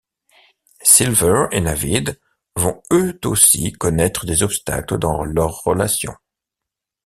Silver et Navid vont eux aussi connaitre des obstacles dans leur relation.